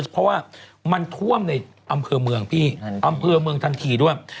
เพราะว่ามันท่วมในอำเภอเมืองพี่อำเภอเมืองทันทีด้วย